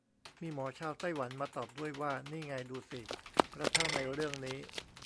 มีหมอชาวไต้หวันมาตอบด้วยว่า นี่ไงดูสิ กระทั่งในเรื่องนี้